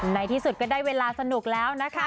ในที่สุดก็ได้เวลาสนุกแล้วนะคะ